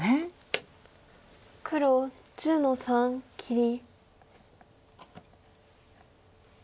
黒１０の三切り。